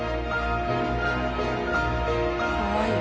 かわいい。